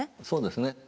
そうですね。